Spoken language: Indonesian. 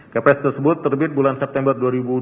kps tersebut terbit bulan september dua ribu dua puluh